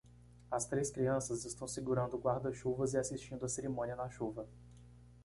As três crianças estão segurando guarda-chuvas e assistindo a cerimônia na chuva.